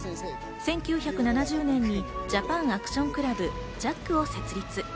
１９７０年にジャパンアクションクラブ・ＪＡＣを設立。